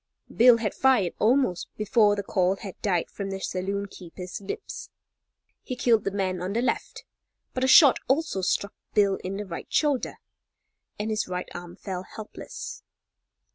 Bill had fired almost before the call had died from the saloon keeper's lips. He killed the man on the left, but a shot also struck Bill in the right shoulder, and his right arm fell helpless.